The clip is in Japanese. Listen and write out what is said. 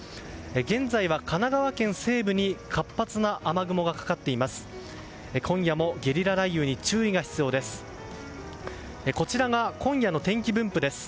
現在は神奈川県西部に活発な雨雲がかかっています。